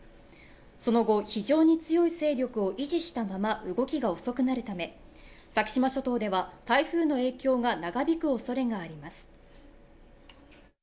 その後、非常に強い勢力を維持したまま、動きが遅くなるため先島諸島では台風の影響が長引くおそれがあります。